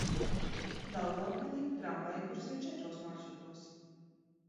Daugavpilī tramvaji kursē četros maršrutos.